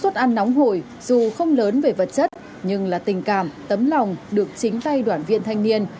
rồi dù không lớn về vật chất nhưng là tình cảm tấm lòng được chính tay đoàn viện thanh niên